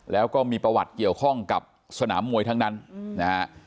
แล้วก็มีประวัติเกี่ยวข้องกับสนามมวยทั้งนั้นนะฮะ